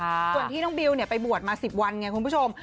ส่วนที่น้องบิวไปบวชมา๑๐วันไงคุณผู้ชม